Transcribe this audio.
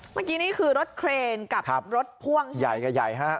เมื่อกี้นี่คือรถเครนกับรถพ่วงใหญ่กับใหญ่ฮะ